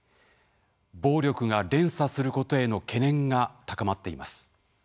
暴力が連鎖することへの懸念が高まっています。